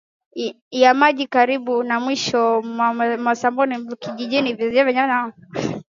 ya maji karibu na mwambao pasipo kina Vijiji vilimkubusha